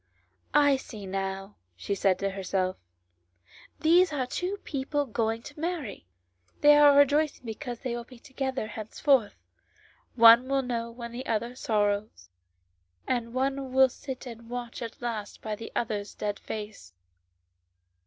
"I see now," she said to herself; "these are two people going to marry, and they are rejoicing because they will be together henceforth. One will know when the other sorrows, and one will sit and watch at last by the other's dead face.